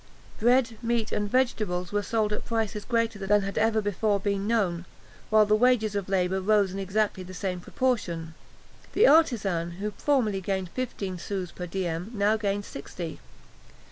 Bread, meat, and vegetables were sold at prices greater than had ever before been known; while the wages of labour rose in exactly the same proportion. The artisan who formerly gained fifteen sous per diem now gained sixty.